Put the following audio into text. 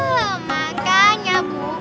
loh makanya bu